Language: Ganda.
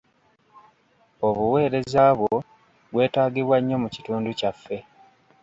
Obuweereza bwo bwetaagibwa nnyo mu kitundu kyaffe.